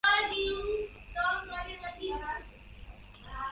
At the time of the battle, there were far fewer trees.